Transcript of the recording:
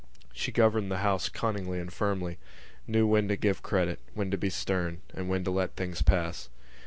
She governed her house cunningly and firmly, knew when to give credit, when to be stern and when to let things pass.